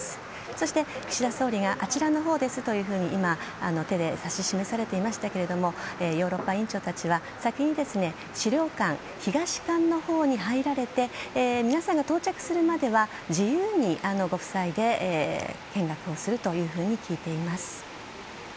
そして岸田総理があちらのほうですと手で指し示されていましたがヨーロッパ委員長たちは先に資料館の東館のほうに入られて皆さんが到着するまでは自由にご夫妻で見学すると聞いています。